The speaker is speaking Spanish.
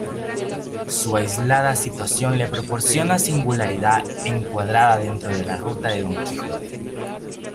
Su aislada situación le proporciona singularidad, encuadrada dentro de la Ruta de Don Quijote.